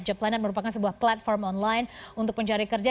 job planet merupakan sebuah platform online untuk mencari kerja